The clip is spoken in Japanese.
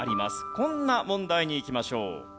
こんな問題にいきましょう。